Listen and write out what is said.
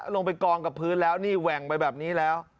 ลงไปกองกับพื้นแล้วนี่แหว่งไปแบบนี้แล้ว